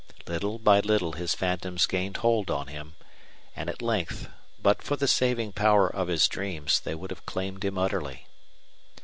Little by little his phantoms gained hold on him, and at length, but for the saving power of his dreams, they would have claimed him utterly.